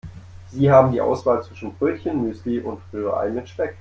Sie haben die Auswahl zwischen Brötchen, Müsli und Rührei mit Speck.